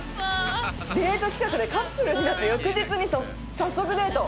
デート企画でカップルになった翌日に早速デート。